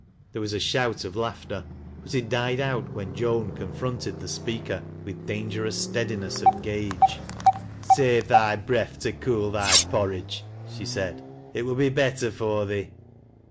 There was a shout of laughter, but it died out when Joan confronted the speaker with dangerous gtcadineM :'f gaze. OUTSIDE TBB BBDQB. ftfl " Savo thy breath to cool thy porridge," she Paid " li will be better for thee."